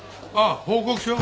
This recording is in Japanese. ああ報告書？